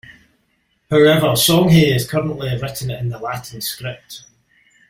However, Songhay is currently written in the Latin script.